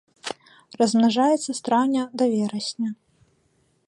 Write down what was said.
Размнажаецца з траўня да верасня.